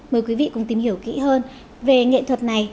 mời quý vị cùng tìm hiểu kỹ hơn về nghệ thuật này